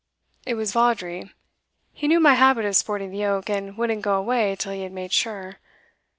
'It was Vawdrey. He knew my habit of sporting the oak, and wouldn't go away till he had made sure.